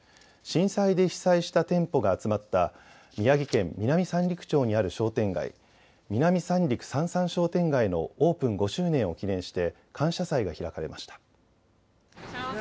震災で被災した点補が集まった宮城県南三陸町にある商店街南三陸さんさん商店街のオープン５周年を記念して感謝祭が開かれました。